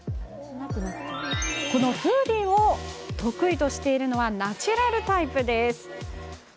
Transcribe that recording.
このフーディーを得意とするのはナチュラルタイプ。